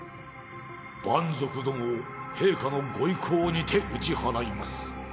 蛮族どもを陛下のご威光にて打ち払います。